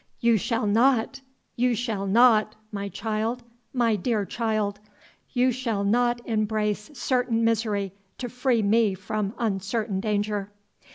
"You shall not you shall not, my child my dear child you shall not embrace certain misery to free me from uncertain danger."